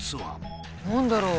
何だろう？